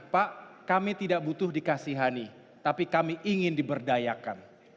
pak kami tidak butuh dikasihani tapi kami ingin diberdayakan